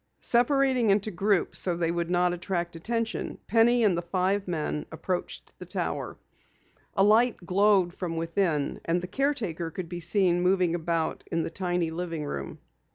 Separating into groups so that they would not attract attention, Penny and the five men approached the Tower. A light glowed from within, and the caretaker could be seen moving about in the tiny living room.